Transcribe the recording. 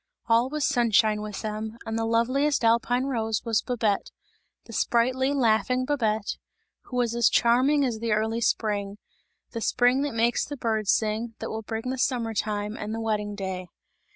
All was sunshine with them, and the loveliest alpine rose was Babette, the sprightly, laughing Babette, who was as charming as the early spring; the spring that makes the birds sing, that will bring the summer time and the wedding day.